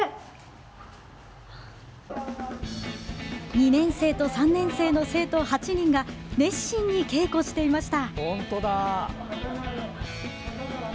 ２年生と３年生の生徒８人が熱心に稽古していました。